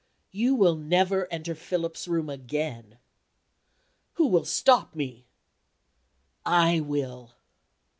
"You will never enter Philip's room again." "Who will stop me?" "I will."